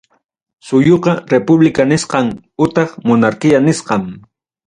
Suyuqa, república nisqan utaq monarquía nisqan.